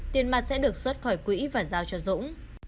tiền mặt sẽ được xuất khỏi quỹ và giao cho dũng